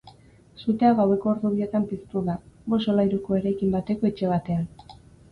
Sutea gaueko ordu bietan piztu da, bost solairuko eraikin bateko etxe batean.